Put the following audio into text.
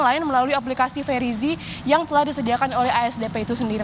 tiket hanya dapat dibeli secara online melalui aplikasi veriz yang telah disediakan oleh asdp itu sendiri